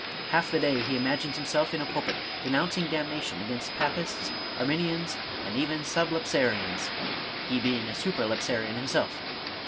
Half the day he imagines himself in a pulpit, denouncing damnation against Papists, Arminians, and even Sublapsarians (he being a Supra lapsarian him self).